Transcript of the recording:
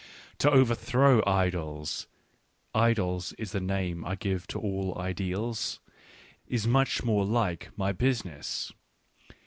To overthrow idols (idols is the name I give to all ideals) is much more like my business.